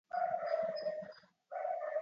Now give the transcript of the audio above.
سماه أحبابه المسكين قد صدقوا